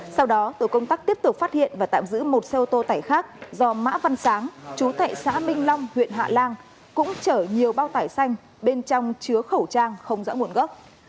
sau đó tổ công tác tiếp tục phát hiện và tạm giữ một xe ô tô tải khác do mã văn sáng chú tại xã minh long huyện hạ lan cũng chở nhiều bao tải xanh bên trong chứa khẩu trang không rõ nguồn gốc